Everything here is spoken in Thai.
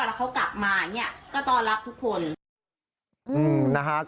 แล้วเขากลับมาก็ต้อนรับทุกคน